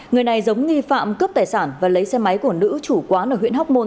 người này giống nghi phạm cướp tài sản và lấy xe máy của nữ chủ quán ở huyện hóc môn